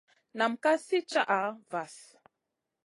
Nam ka sli caha vahl.